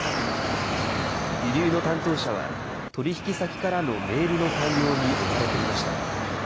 輸入の担当者は、取り引き先からのメールの対応に追われていました。